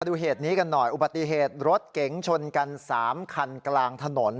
ดูเหตุนี้กันหน่อยอุบัติเหตุรถเก๋งชนกัน๓คันกลางถนน